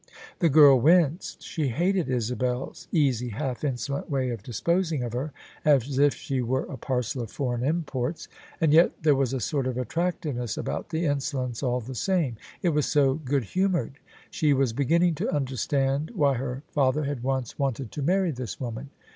The girl winced. She hated Isabel's easy, half insolent way of disposing of her as if she were a parcel of foreign imports: and yet there was a sort of attractiveness about the insolence all the same, it was so good humoured. She was beginning to imderstand why her father had once wanted to marry this woman.